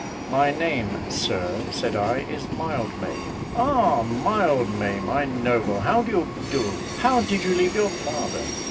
"My name, Sir," said I, "is Mildmay." "Ah, Mildmay, my noble, how do you do? how did you leave your father?